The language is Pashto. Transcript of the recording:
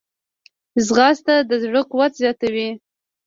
ځغاسته د زړه قوت زیاتوي